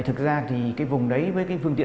thực ra thì cái vùng đấy với cái phương tiện